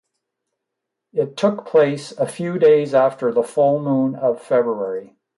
It took place a few days after the full moon of February.